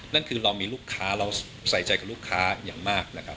นั่นคือเรามีลูกค้าเราใส่ใจกับลูกค้าอย่างมากนะครับ